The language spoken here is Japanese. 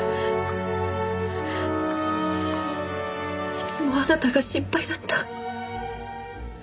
いつもあなたが心配だった。